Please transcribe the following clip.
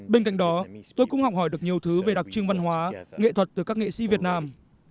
bên cạnh đó tôi cũng học hỏi được nhiều thứ về đặc trưng văn hóa nghệ thuật từ các nghệ sĩ việt nam